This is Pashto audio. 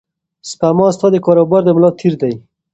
سپما ستا د کاروبار د ملا تیر دی.